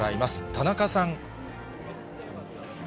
田中さん。